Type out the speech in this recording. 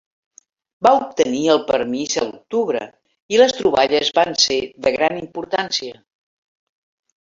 Va obtenir el permís a l'octubre i les troballes van ser de gran importància.